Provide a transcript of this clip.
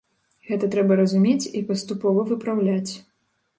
Гэта трэба разумець і паступова выпраўляць.